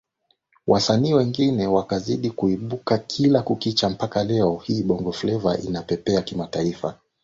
Wasanii wengi wakazidi kuibuka kila kukicha mpaka leo hii Bongo Fleva inapepea kimataifa